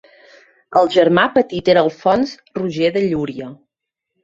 El germà petit era Alfons Roger de Llúria.